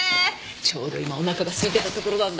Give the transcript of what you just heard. ちょうど今おなかが空いてたところなんだ。